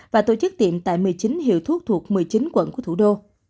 và tổ chức tiệm tại một mươi chín hiệu thuốc thuộc một mươi chín quận của thủ đô